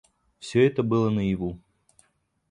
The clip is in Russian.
Всё это было наяву.